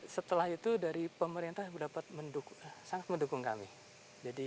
setelah itu dari pemerintah sangat mendukung kami